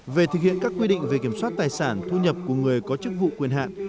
về thực hiện các quy định về kiểm soát tài sản thu nhập của người có chức vụ quyền hạn